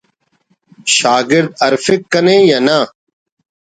شاگرد ہرفک کنے یا نہ